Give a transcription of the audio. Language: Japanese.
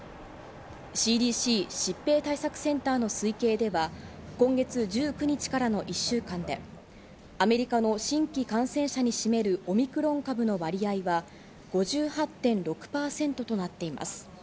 ＣＤＣ＝疾病対策センターの推計では、今月１９日からの１週間でアメリカの新規感染者に占めるオミクロン株の割合は５８．６％となっています。